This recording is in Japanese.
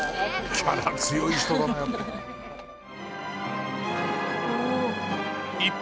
「キャラ強い人だね」